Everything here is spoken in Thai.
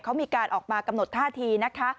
เขามีการออกมากำหนดท่าทีนะคะ